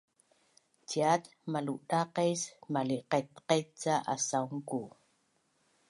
Ciat maludaqes mali’qaitqait ca asaunku